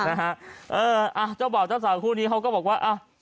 นะฮะเอออ่ะเจ้าบ่าวเจ้าสาวคู่นี้เขาก็บอกว่าอ่ะ